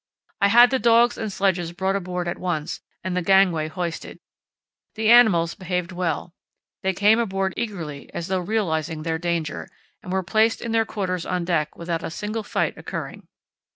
I had the dogs and sledges brought aboard at once and the gangway hoisted. The animals behaved well. They came aboard eagerly as though realizing their danger, and were placed in their quarters on deck without a single fight occurring.